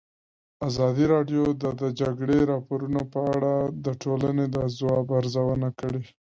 ازادي راډیو د د جګړې راپورونه په اړه د ټولنې د ځواب ارزونه کړې.